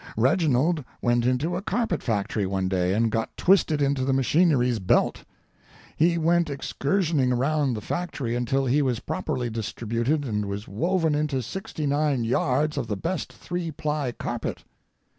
Reginald went into a carpet factory one day, and got twisted into the machinery's belt. He went excursioning around the factory until he was properly distributed and was woven into sixty nine yards of the best three ply carpet.